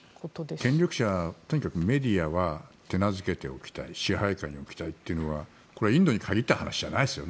権力者はとにかくメディアは手なずけておきたい支配下に置きたいというのはこれはインドに限った話じゃないですよね。